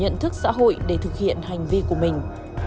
để đủ nhận thức xã hội để thực hiện hành vi của mình